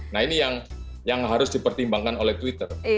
nah ini yang harus dipertimbangkan oleh twitter